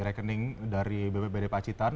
rekening dari bbb di pacitan